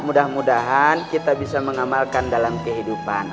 mudah mudahan kita bisa mengamalkan dalam kehidupan